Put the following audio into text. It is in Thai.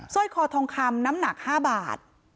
ร้อยคอทองคำน้ำหนัก๕บาท